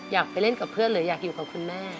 อยากไปเล่นกับเพื่อนหรืออยากอยู่กับคุณแม่